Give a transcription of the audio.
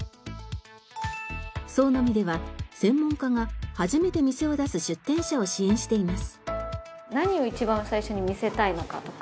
創の実では専門家が初めて店を出す出店者を支援しています。